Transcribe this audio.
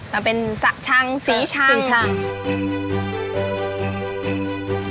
มันเป็นสะชังสีชังชัง